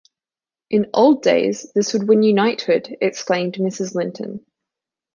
In old days this would win you knighthood!’ exclaimed Mrs. Linton.